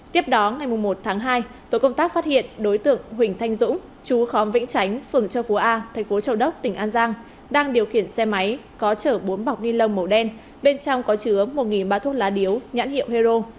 tiếp đó ngày một tháng hai tổ công tác phát hiện đối tượng huỳnh thanh dũng chú khóm vĩnh tránh phường châu phú a thành phố châu đốc tỉnh an giang đang điều khiển xe máy có chở bốn bọc ni lông màu đen bên trong có chứa một ba thuốc lá điếu nhãn hiệu hero